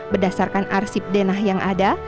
berdasarkan arsipdenah yang ada